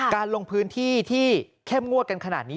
ลงพื้นที่ที่เข้มงวดกันขนาดนี้